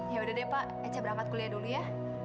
ya udah deh pak echa berangkat kuliah dulu ya